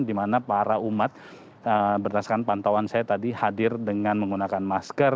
di mana para umat berdasarkan pantauan saya tadi hadir dengan menggunakan masker